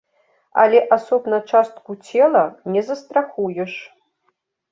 Але асобна частку цела не застрахуеш.